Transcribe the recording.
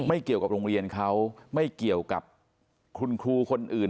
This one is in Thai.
ไม่เกี่ยวกับโรงเรียนเขาไม่เกี่ยวกับคุณครูคนอื่น